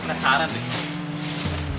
gw kerasaran nih